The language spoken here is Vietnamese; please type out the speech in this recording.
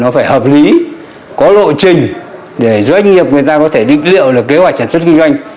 phải hợp lý có lộ trình để doanh nghiệp người ta có thể định liệu là kế hoạch sản xuất kinh doanh